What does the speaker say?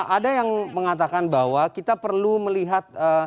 ada yang mengatakan bahwa kita perlu melihat